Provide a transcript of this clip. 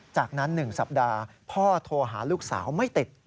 จากนั้น๑สัปดาห์พ่อโทรหาลูกสาวไม่ติด